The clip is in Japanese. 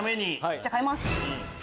じゃあ替えます。